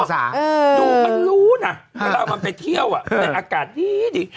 ไม่รู้นะเวลามาไปเที่ยวอะในอากาศนี้ดิ